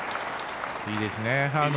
いいですね。